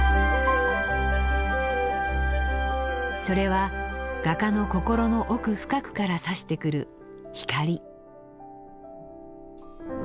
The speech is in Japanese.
それは画家の心の奥深くからさしてくる光。